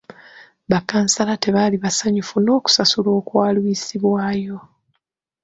Ba kkansala tebaali basanyufu n'okusasulwa okwalwisibwayo.